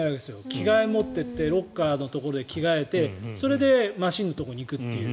着替えを持っていってロッカーで着替えてそれでマシンのところに行くという。